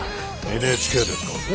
ＮＨＫですからね。